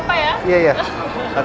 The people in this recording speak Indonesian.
kasih ya sayang